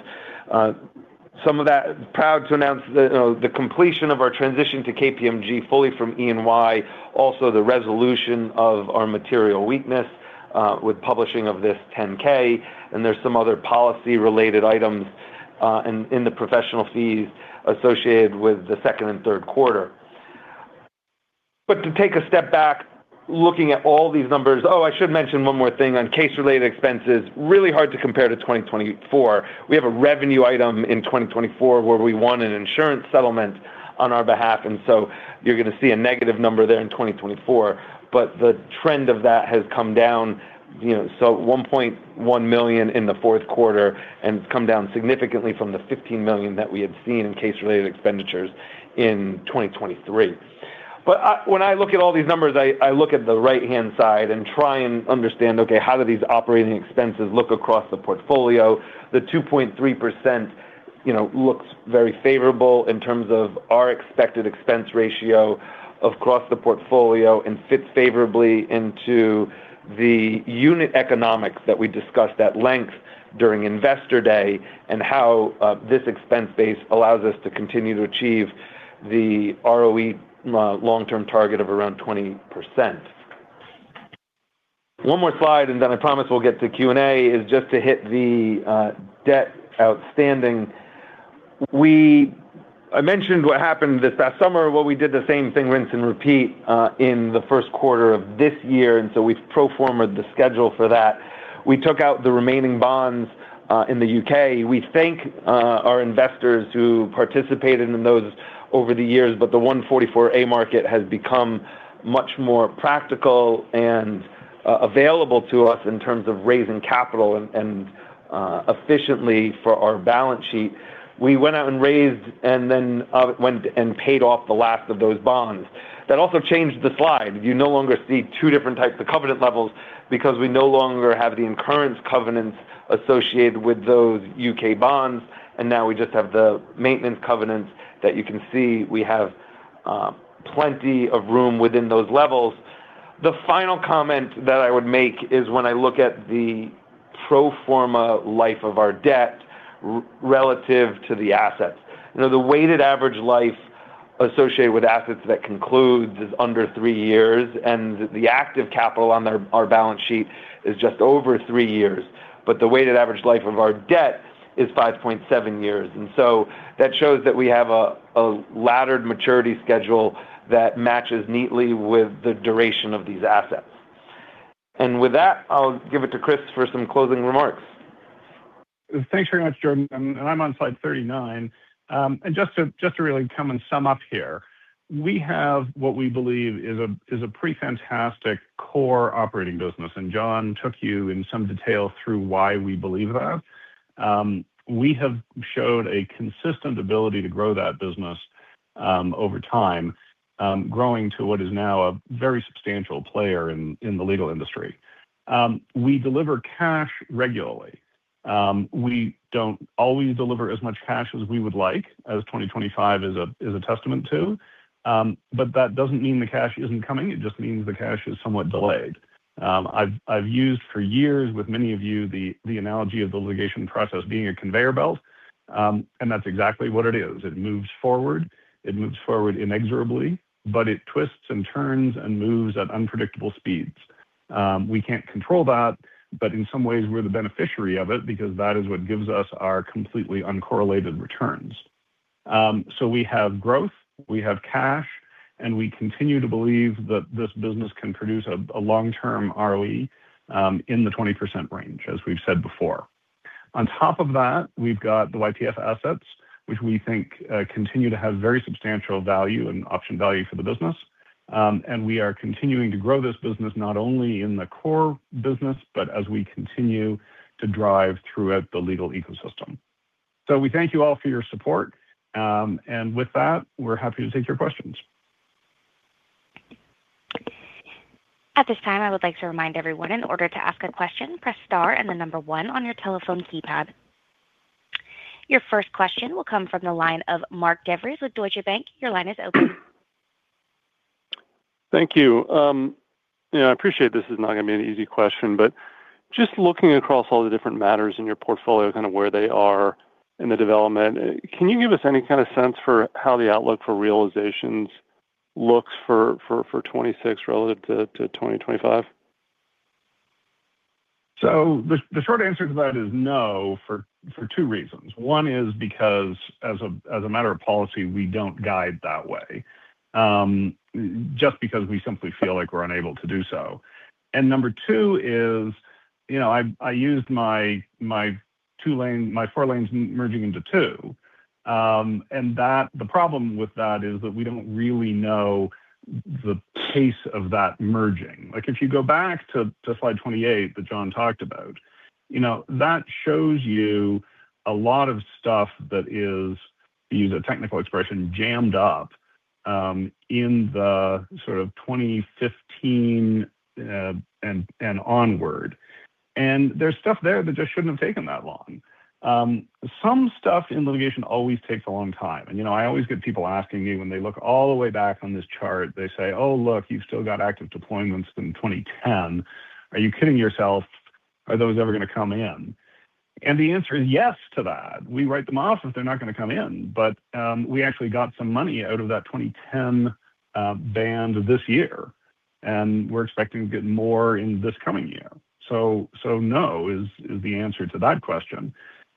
Proud to announce the completion of our transition to KPMG fully from EY, also the resolution of our material weakness with publishing of this 10-K, and there's some other policy-related items in the professional fees associated with the second and third quarter. To take a step back, looking at all these numbers. Oh, I should mention one more thing on case-related expenses. Really hard to compare to 2024. We have a revenue item in 2024 where we won an insurance settlement on our behalf, and so you're gonna see a negative number there in 2024, but the trend of that has come down, you know, so $1.1 million in the fourth quarter and come down significantly from the $15 million that we had seen in case-related expenditures in 2023. When I look at all these numbers, I look at the right-hand side and try and understand, okay, how do these operating expenses look across the portfolio? The 2.3%, you know, looks very favorable in terms of our expected expense ratio across the portfolio and fits favorably into the unit economics that we discussed at length during Investor Day and how this expense base allows us to continue to achieve the ROE long-term target of around 20%. One more slide, and then I promise we'll get to Q&A, is just to hit the debt outstanding. I mentioned what happened this past summer, where we did the same thing, rinse and repeat, in the first quarter of this year, and so we've pro forma'd the schedule for that. We took out the remaining bonds in the U.K. We thank our investors who participated in those over the years. The Rule 144A market has become much more practical and available to us in terms of raising capital and efficiently for our balance sheet. We went out and raised and paid off the last of those bonds. That also changed the slide. You no longer see two different types of covenant levels because we no longer have the incurrence covenants associated with those GBP bonds, and now we just have the maintenance covenants that you can see we have plenty of room within those levels. The final comment that I would make is when I look at the pro forma life of our debt relative to the assets. You know, the weighted average life associated with assets that concludes is under three years, and the active capital on their, our balance sheet is just over three years. The weighted average life of our debt is 5.7 years, and so that shows that we have a laddered maturity schedule that matches neatly with the duration of these assets. With that, I'll give it to Chris for some closing remarks. Thanks very much, Jordan. I'm on slide 39. Just to really come and sum up here, we have what we believe is a pretty fantastic core operating business, and John took you in some detail through why we believe that. We have shown a consistent ability to grow that business over time, growing to what is now a very substantial player in the legal industry. We deliver cash regularly. We don't always deliver as much cash as we would like, as 2025 is a testament to. That doesn't mean the cash isn't coming. It just means the cash is somewhat delayed. I've used for years with many of you, the analogy of the litigation process being a conveyor belt. That's exactly what it is. It moves forward, it moves forward inexorably, but it twists and turns and moves at unpredictable speeds. We can't control that, but in some ways we're the beneficiary of it because that is what gives us our completely uncorrelated returns. We have growth, we have cash, and we continue to believe that this business can produce a long-term ROE in the 20% range, as we've said before. On top of that, we've got the YPF assets, which we think continue to have very substantial value and option value for the business. We are continuing to grow this business not only in the core business, but as we continue to drive throughout the legal ecosystem. We thank you all for your support, and with that, we're happy to take your questions. At this time, I would like to remind everyone in order to ask a question, press star and the number one on your telephone keypad. Your first question will come from the line of Mark DeVries with Deutsche Bank. Your line is open. ... Thank you. you know, I appreciate this is not going to be an easy question, but just looking across all the different matters in your portfolio, kind of where they are in the development, can you give us any kind of sense for how the outlook for realizations looks for 2026 relative to 2025? The short answer to that is no, for two reasons. One is because as a matter of policy, we don't guide that way, just because we simply feel like we're unable to do so. Number two is, you know, I used my four lanes merging into two, and the problem with that is that we don't really know the pace of that merging. Like, if you go back to slide 28 that John talked about, you know, that shows you a lot of stuff that is, to use a technical expression, jammed up in the sort of 2015 and onward. There's stuff there that just shouldn't have taken that long. Some stuff in litigation always takes a long time. You know, I always get people asking me when they look all the way back on this chart, they say, "Oh, look, you've still got active deployments from 2010. Are you kidding yourself? Are those ever going to come in?" The answer is yes to that. We write them off if they're not going to come in, but we actually got some money out of that 2010 band this year, and we're expecting to get more in this coming year. No is the answer to that question.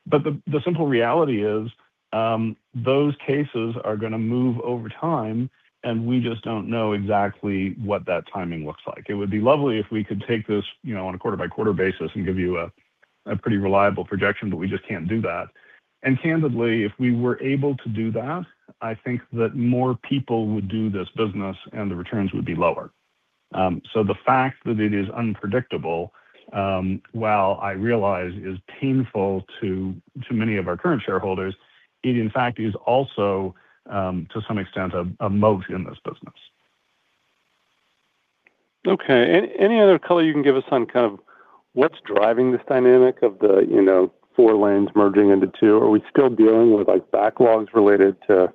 The simple reality is, those cases are going to move over time, and we just don't know exactly what that timing looks like. It would be lovely if we could take this, you know, on a quarter-by-quarter basis and give you a pretty reliable projection, but we just can't do that. Candidly, if we were able to do that, I think that more people would do this business, and the returns would be lower. The fact that it is unpredictable, while I realize is painful to many of our current shareholders, it, in fact, is also, to some extent, a moat in this business. Okay. Any other color you can give us on kind of what's driving this dynamic of the, you know, four lanes merging into two? Are we still dealing with, like, backlogs related to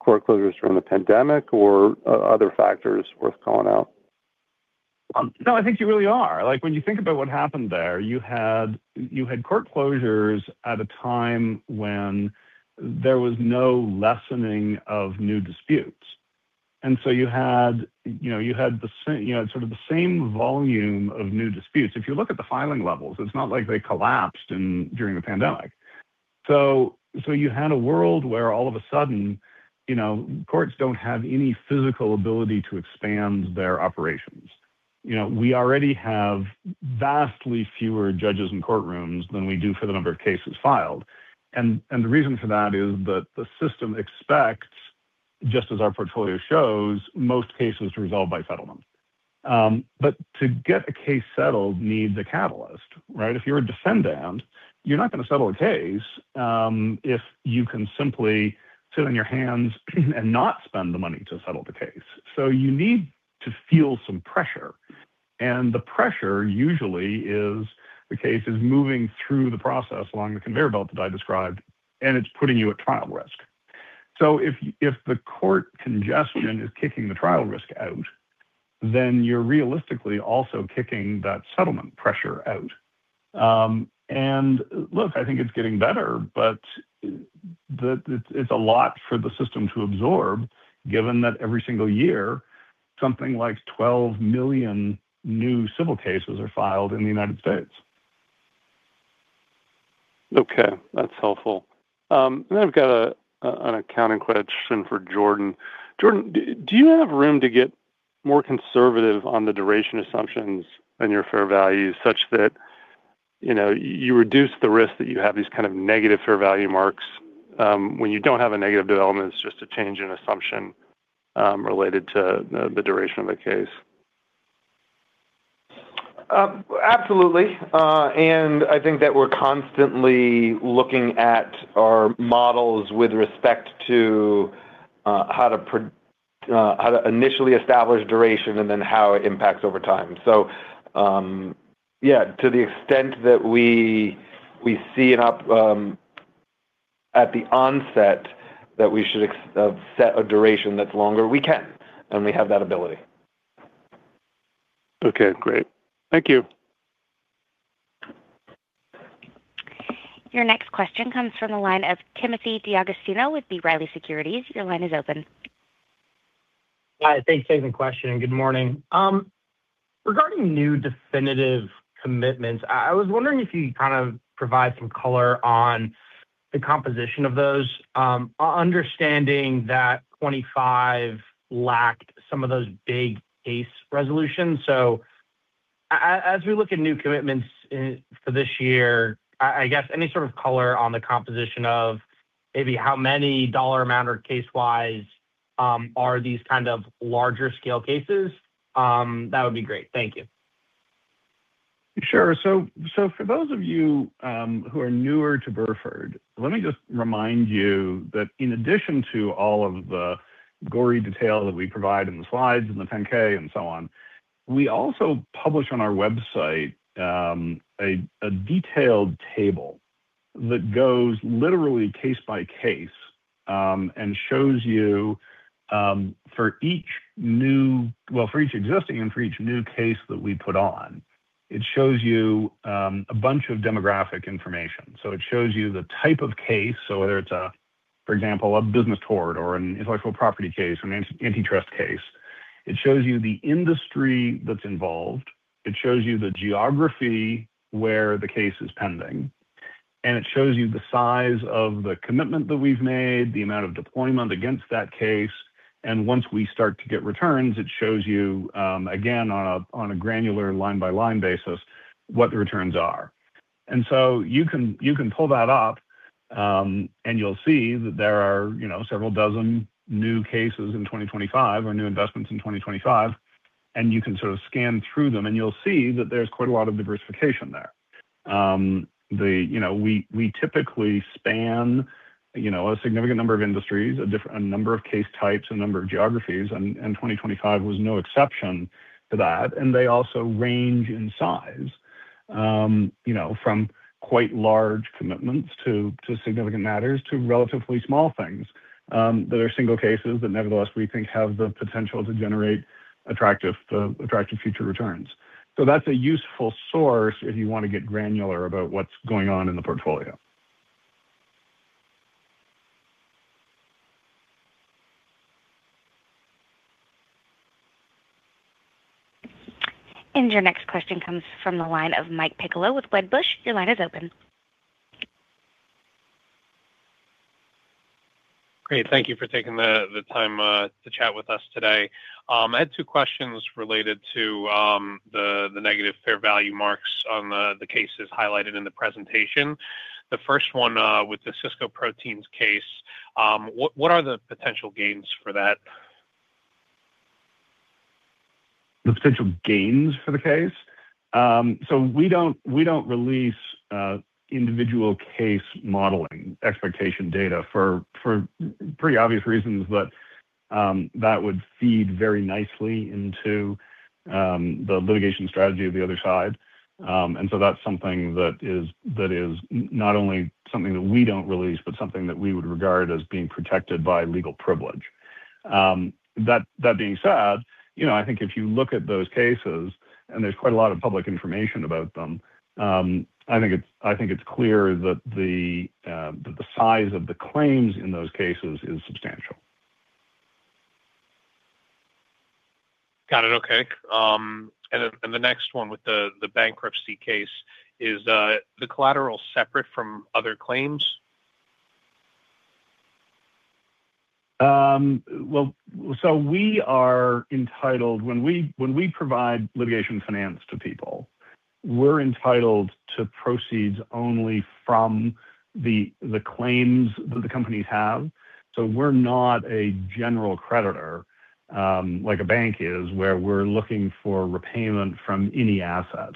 court closures from the pandemic or other factors worth calling out? No, I think you really are. Like, when you think about what happened there, you had, you had court closures at a time when there was no lessening of new disputes. You had, you know, you had the same, you know, sort of the same volume of new disputes. If you look at the filing levels, it's not like they collapsed during the pandemic. You had a world where all of a sudden, you know, courts don't have any physical ability to expand their operations. You know, we already have vastly fewer judges in courtrooms than we do for the number of cases filed. The reason for that is that the system expects, just as our portfolio shows, most cases to resolve by settlement. To get a case settled needs a catalyst, right? If you're a defendant, you're not going to settle a case, if you can simply sit on your hands and not spend the money to settle the case. You need to feel some pressure, and the pressure usually is the case is moving through the process along the conveyor belt that I described, and it's putting you at trial risk. If, if the court congestion is kicking the trial risk out, then you're realistically also kicking that settlement pressure out. And look, I think it's getting better, but it's a lot for the system to absorb, given that every single year, something like 12 million new civil cases are filed in the United States. Okay, that's helpful. I've got an accounting question for Jordan. Jordan, do you have room to get more conservative on the duration assumptions and your fair values, such that, you know, you reduce the risk that you have these kind of negative fair value marks, when you don't have a negative development, it's just a change in assumption, related to the duration of the case? Absolutely. I think that we're constantly looking at our models with respect to how to initially establish duration and then how it impacts over time. Yeah, to the extent that we see it up at the onset, that we should set a duration that's longer, we can, and we have that ability. Okay, great. Thank you. Your next question comes from the line of Timothy D'Agostino with B. Riley Securities. Your line is open. Hi, thanks for taking the question, and good morning. Regarding new definitive commitments, I was wondering if you could kind of provide some color on the composition of those. Understanding that 25 lacked some of those big case resolutions. As we look at new commitments for this year, I guess any sort of color on the composition of maybe how many dollar amount or case wise, are these kind of larger scale cases? That would be great. Thank you. Sure. For those of you who are newer to Burford, let me just remind you that in addition to all of the gory detail that we provide in the slides and the 10-K and so on, we also publish on our website a detailed table that goes literally case by case and shows you for each existing and for each new case that we put on, it shows you a bunch of demographic information. It shows you the type of case, whether it's a, for example, a business tort or an intellectual property case, an antitrust case. It shows you the industry that's involved, it shows you the geography where the case is pending, and it shows you the size of the commitment that we've made, the amount of deployment against that case, and once we start to get returns, it shows you, again, on a, on a granular line-by-line basis, what the returns are. You can, you can pull that up, and you'll see that there are, you know, several dozen new cases in 2025 or new investments in 2025, and you can sort of scan through them, and you'll see that there's quite a lot of diversification there. You know, we typically span, you know, a significant number of industries, a different, a number of case types, a number of geographies, and 2025 was no exception to that. They also range in size, you know, from quite large commitments to significant matters, to relatively small things, that are single cases that nevertheless we think have the potential to generate attractive future returns. That's a useful source if you want to get granular about what's going on in the portfolio. Your next question comes from the line of Michael Piccolo with Wedbush. Your line is open. Great. Thank you for taking the time to chat with us today. I had two questions related to the negative fair value marks on the cases highlighted in the presentation. The first one, with the Sysco Proteins case, what are the potential gains for that? The potential gains for the case? We don't release individual case modeling expectation data for pretty obvious reasons, that would feed very nicely into the litigation strategy of the other side. That's something that is not only something that we don't release, but something that we would regard as being protected by legal privilege. That being said, you know, I think if you look at those cases, and there's quite a lot of public information about them, I think it's clear that the size of the claims in those cases is substantial. Got it. Okay. The next one with the bankruptcy case, is the collateral separate from other claims? Well, we are entitled when we provide litigation finance to people, we're entitled to proceeds only from the claims that the companies have. We're not a general creditor, like a bank is, where we're looking for repayment from any asset.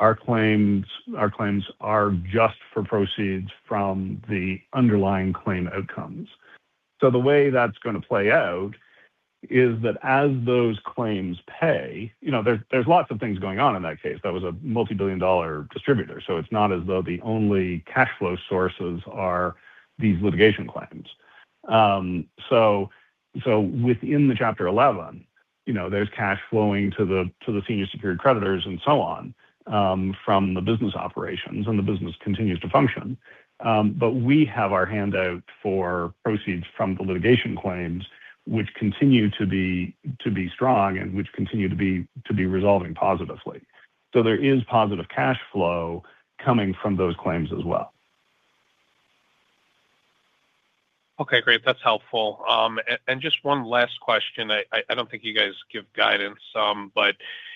Our claims are just for proceeds from the underlying claim outcomes. The way that's gonna play out is that as those claims pay. You know, there's lots of things going on in that case. That was a multibillion-dollar distributor, it's not as though the only cash flow sources are these litigation claims. Within the Chapter 11, you know, there's cash flowing to the senior secured creditors and so on from the business operations, and the business continues to function. We have our hand out for proceeds from the litigation claims, which continue to be strong and which continue to be resolving positively. There is positive cash flow coming from those claims as well. Okay, great. That's helpful. Just one last question. I don't think you guys give guidance.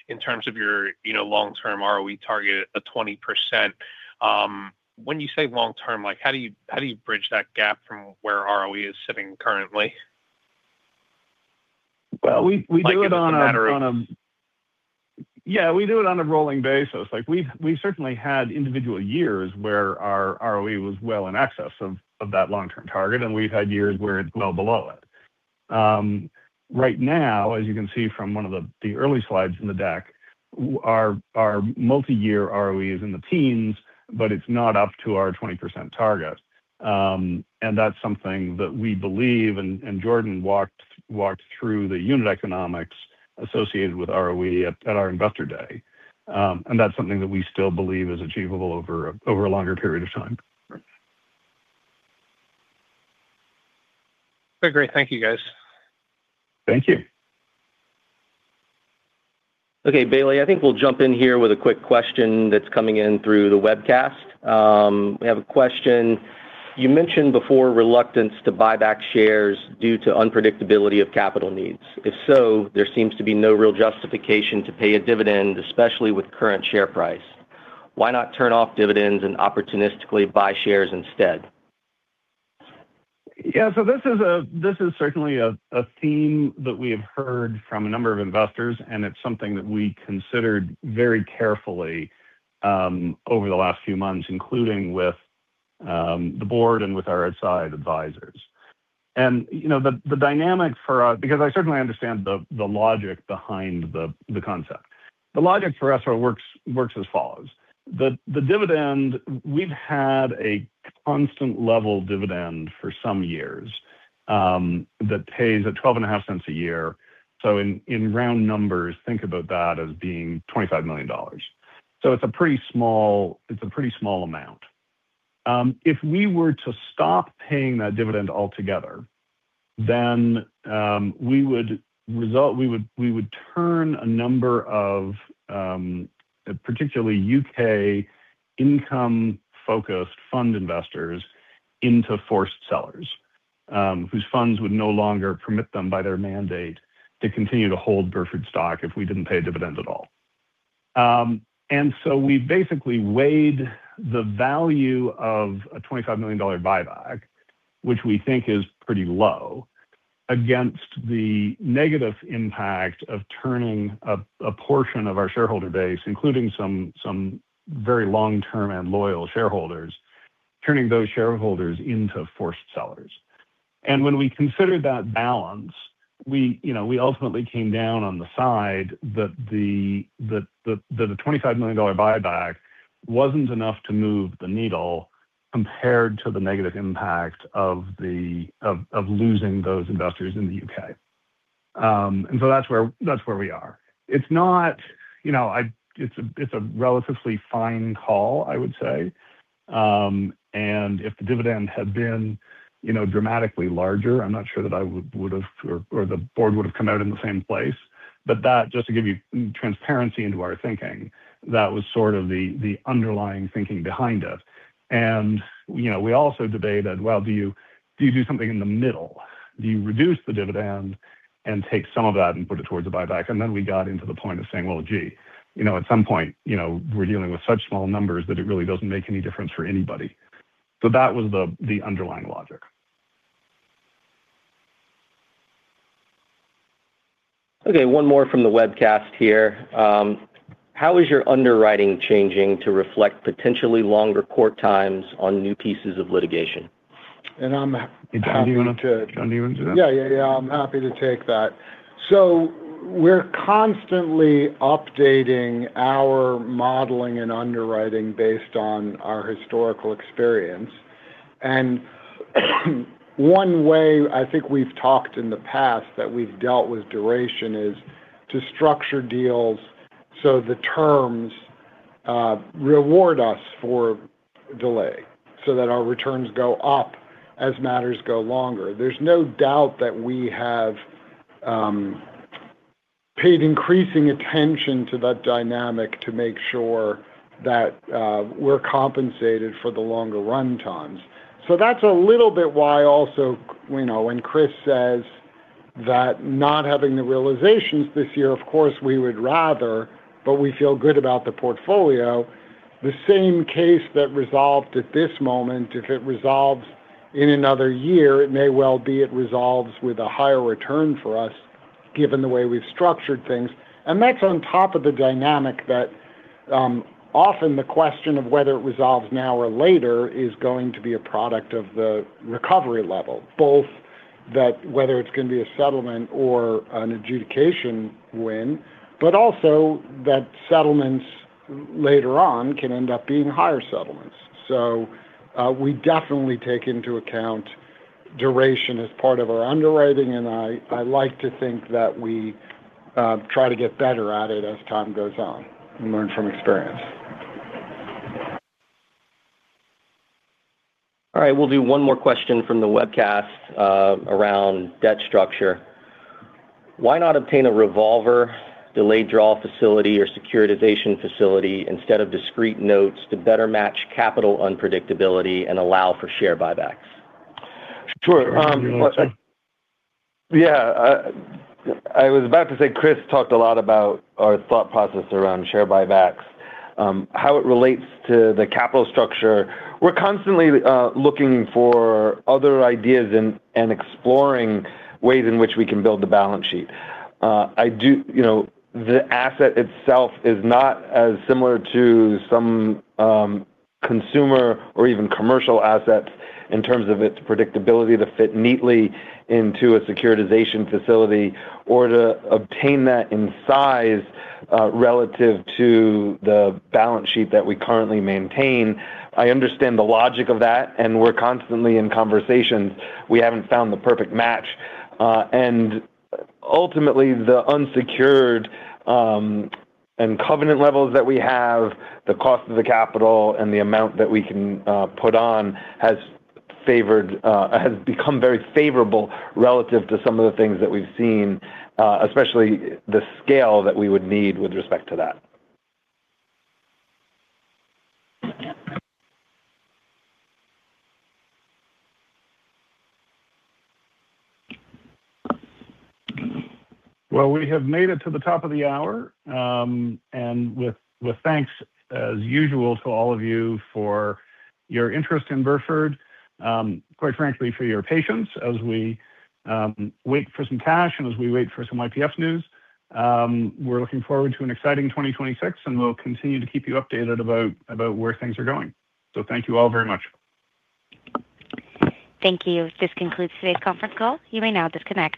In terms of your, you know, long-term ROE target at 20%, when you say long-term, like, how do you, how do you bridge that gap from where ROE is sitting currently? Well, we do it. Like in a matter of- Yeah, we do it on a rolling basis. Like, we've certainly had individual years where our ROE was well in excess of that long-term target, and we've had years where it's well below it. Right now, as you can see from one of the early slides in the deck, our multi-year ROE is in the teens, but it's not up to our 20% target. That's something that we believe, and Jordan walked through the unit economics associated with ROE at our Investor Day. That's something that we still believe is achievable over a longer period of time. Okay, great. Thank you, guys. Thank you. Okay, Bailey, I think we'll jump in here with a quick question that's coming in through the webcast. We have a question: You mentioned before reluctance to buy back shares due to unpredictability of capital needs. If so, there seems to be no real justification to pay a dividend, especially with current share price. Why not turn off dividends and opportunistically buy shares instead? Yeah, this is certainly a theme that we have heard from a number of investors, and it's something that we considered very carefully over the last few months, including with the board and with our outside advisors. You know, the dynamic for, because I certainly understand the logic behind the concept. The logic for us works as follows: the dividend, we've had a constant level dividend for some years, that pays at $0.125 a year. In round numbers, think about that as being $25 million. It's a pretty small amount. If we were to stop paying that dividend altogether, then, we would turn a number of, particularly U.K. income-focused fund investors into forced sellers, whose funds would no longer permit them by their mandate to continue to hold Burford stock if we didn't pay a dividend at all. We basically weighed the value of a $25 million buyback, which we think is pretty low, against the negative impact of turning a portion of our shareholder base, including some very long-term and loyal shareholders, turning those shareholders into forced sellers. When we considered that balance, we, you know, we ultimately came down on the side that the $25 million buyback wasn't enough to move the needle compared to the negative impact of losing those investors in the U.K. That's where we are. You know, it's a relatively fine call, I would say. If the dividend had been, you know, dramatically larger, I'm not sure that I would have or the board would have come out in the same place. That, just to give you transparency into our thinking, that was sort of the underlying thinking behind it. You know, we also debated, well, do you do something in the middle? Do you reduce the dividend and take some of that and put it towards a buyback? We got into the point of saying, "Well, gee, you know, at some point, you know, we're dealing with such small numbers that it really doesn't make any difference for anybody." That was the underlying logic. Okay, one more from the webcast here. How is your underwriting changing to reflect potentially longer court times on new pieces of litigation? I'm happy to- Do you want to do that? Yeah, yeah. I'm happy to take that. We're constantly updating our modeling and underwriting based on our historical experience. One way I think we've talked in the past that we've dealt with duration is to structure deals so the terms reward us for delay, so that our returns go up as matters go longer. There's no doubt that we have paid increasing attention to that dynamic to make sure that we're compensated for the longer run times. That's a little bit why also, you know, when Chris says that not having the realizations this year, of course, we would rather, but we feel good about the portfolio. The same case that resolved at this moment, if it resolves in another year, it may well be it resolves with a higher return for us, given the way we've structured things. That's on top of the dynamic that, often the question of whether it resolves now or later is going to be a product of the recovery level, both that whether it's going to be a settlement or an adjudication win, but also that settlements later on can end up being higher settlements. We definitely take into account duration as part of our underwriting, and I like to think that we, try to get better at it as time goes on and learn from experience. All right, we'll do one more question from the webcast, around debt structure. Why not obtain a revolver delayed draw facility or securitization facility instead of discrete notes to better match capital unpredictability and allow for share buybacks? Sure. Do you want to take this one? Yeah. I was about to say, Chris talked a lot about our thought process around share buybacks, how it relates to the capital structure. We're constantly looking for other ideas and exploring ways in which we can build the balance sheet. You know, the asset itself is not as similar to some consumer or even commercial assets in terms of its predictability to fit neatly into a securitization facility or to obtain that in size, relative to the balance sheet that we currently maintain. I understand the logic of that, and we're constantly in conversations. We haven't found the perfect match. Ultimately, the unsecured, and covenant levels that we have, the cost of the capital, and the amount that we can put on has become very favorable relative to some of the things that we've seen, especially the scale that we would need with respect to that. We have made it to the top of the hour, and with thanks, as usual, to all of you for your interest in Burford, quite frankly, for your patience as we wait for some cash and as we wait for some YPF news. We're looking forward to an exciting 2026, and we'll continue to keep you updated about where things are going. Thank you all very much. Thank you. This concludes today's conference call. You may now disconnect.